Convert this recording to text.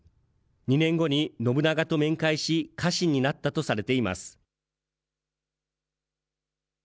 ２年後に信長と面会し、家臣になったとされています。